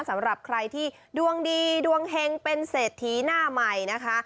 สำหรับใครที่ดวงดีดวงเฮงเป็นเศรษฐีหน้าใหม่นะคะ